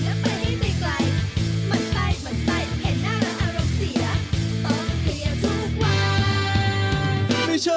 เห็นหน้าเราอร่องเสียต้องเพียงทุกวัน